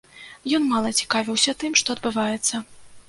Ён мала цікавіўся тым, што адбываецца.